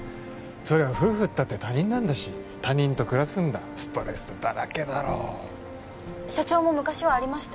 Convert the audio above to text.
そりゃ夫婦ったって他人なんだし他人と暮らすんだストレスだらけだろ社長も昔はありました？